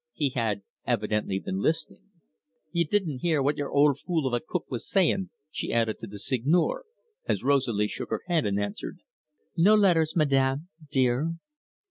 He had evidently been listening. "Ye didn't hear what y're ould fool of a cook was sayin'," she added to the Seigneur, as Rosalie shook her head and answered: "No letters, Madame dear."